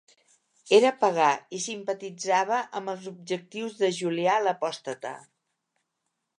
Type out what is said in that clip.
Era pagà i simpatitzava amb els objectius de Julià l'Apòstata.